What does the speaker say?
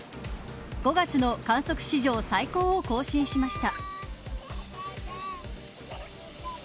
５月の観測史上最高を更新しました。